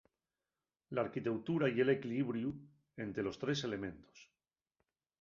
L'arquiteutura ye l'equilibriu ente los tres elementos.